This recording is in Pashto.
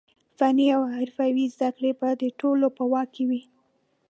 فني او حرفوي زده کړې به د ټولو په واک کې وي.